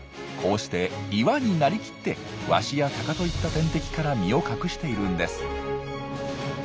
こうして岩になりきってワシやタカといった天敵から身を隠しているんです。